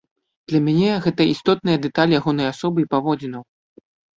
Для мяне гэта істотная дэталь ягонай асобы і паводзінаў.